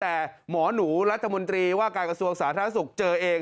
แต่หมอหนูรัฐมนตรีว่าการกระทรวงสาธารณสุขเจอเอง